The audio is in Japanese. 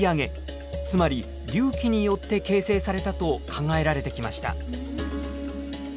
つまり隆起によって形成されたと考えられてきました。